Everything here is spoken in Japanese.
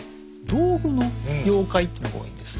道具の妖怪っていうのが多いんです。